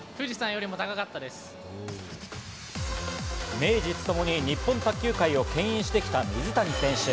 名実ともに日本卓球界を牽引してきた水谷選手。